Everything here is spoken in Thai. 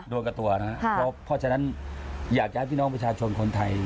โดนกับตัวนะครับเพราะฉะนั้นอยากจะให้พี่น้องประชาชนคนไทย